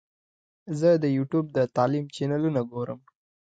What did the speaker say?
زه د یوټیوب د تعلیم چینلونه ګورم.